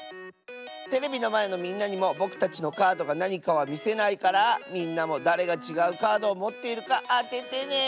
テレビのまえのみんなにもぼくたちのカードがなにかはみせないからみんなもだれがちがうカードをもっているかあててね！